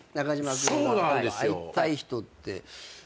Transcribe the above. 君の会いたい人って。